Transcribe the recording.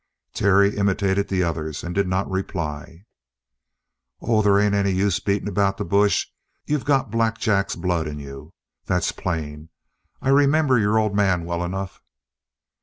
Terry imitated the others and did not reply. "Oh, they ain't any use beating about the bush. You got Black Jack's blood in you. That's plain. I remember your old man well enough."